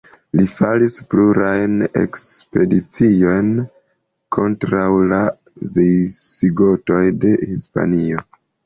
Li faris plurajn ekspediciojn kontraŭ la Visigotoj de Hispanio.